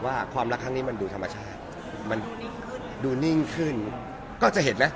ว่าความรักทั้งนี้มันดูธรรมชาติดูนิ่งขึ้น